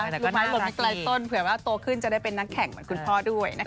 คือไม้ลมไม่ไกลต้นเผื่อว่าโตขึ้นจะได้เป็นนักแข่งเหมือนคุณพ่อด้วยนะคะ